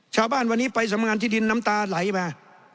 ชาวบ้านวันนี้ไปสำงานที่ดินน้ำตาไหลมา